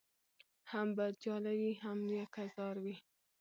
هم به جاله وي هم یکه زار وي